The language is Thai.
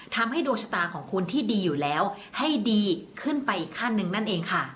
ทำให้ดวงชะตาของคุณที่ดีอยู่แล้วให้ดีขึ้นไปอีกขั้นหนึ่งนั่นเองค่ะ